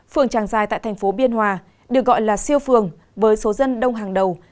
phường tràng dài tại tp biên hòa được gọi là siêu phường với số dân đông hàng đầu